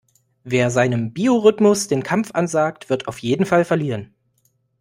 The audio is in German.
Wer seinem Biorhythmus den Kampf ansagt, wird auf jeden Fall verlieren.